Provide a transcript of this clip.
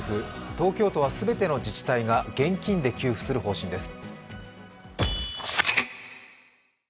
東京都は全ての自治体が現金で給付する方針です。